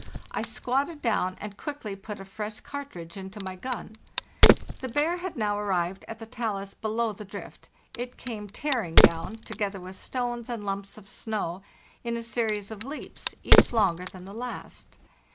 I squatted down and quickly put a fresh cartridge into my gun. The bear had now arrived at the talus below the drift; it came tearing down, together with stones and lumps of snow, in a series of leaps, each longer than the last.